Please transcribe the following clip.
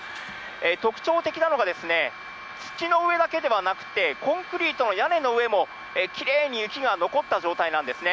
特徴的なのが、土の上だけではなくて、コンクリートの屋根の上もきれいに雪が残った状態なんですね。